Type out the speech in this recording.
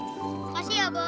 terima kasih ya bos